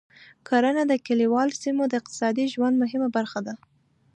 کرنه د کليوالو سیمو د اقتصادي ژوند مهمه برخه ده.